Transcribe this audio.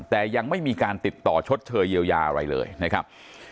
แต่ยังไม่มีการติดต่อชดเชยเยียวยาอะไรเลยนะครับ